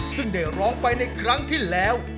ซึ่งได้ร้องไปในครั้งที่แล้ว